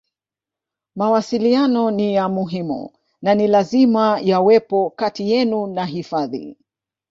Mawasiliano ni ya muhimu na ni lazima yawepo kati yenu na hifadhi